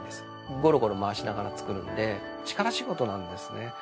ゴロゴロ回しながら作るんで力仕事なんですね。